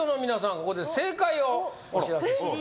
ここで正解をお知らせします